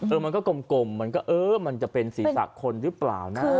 มันก็กลมมันก็เออมันจะเป็นศีรษะคนหรือเปล่านะ